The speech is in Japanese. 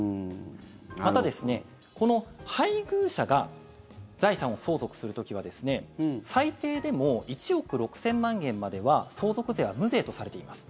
またですね、この配偶者が財産を相続する時は最低でも１億６０００万円までは相続税は無税とされています。